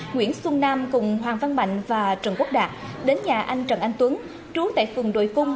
nguyễn xuân nam cùng hoàng văn mạnh và trần quốc đạt đến nhà anh trần anh tuấn trú tại phường đội cung